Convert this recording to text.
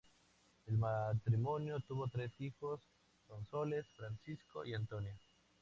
El matrimonio tuvo tres hijos: Sonsoles, Francisco y Antonio.